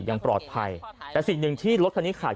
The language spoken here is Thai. ยังปลอดภัยแต่สิ่งหนึ่งที่รถคันนี้ขาด